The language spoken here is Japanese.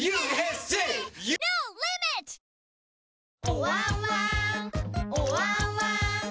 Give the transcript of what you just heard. おわんわーんおわんわーん